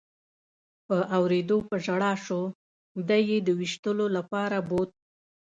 په اورېدو په ژړا شو، دی یې د وېشتلو لپاره بوت.